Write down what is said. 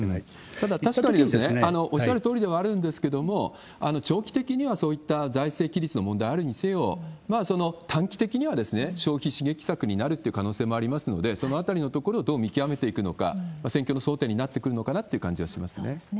ただ、確かにおっしゃるとおりではあるんですけれども、長期的にはそういった財政規律の問題があるにせよ、短期的には消費刺激策になるっていう可能性もありますので、そのあたりのところをどう見極めていくのか、選挙の争点になってくるのかなという感じはしますね。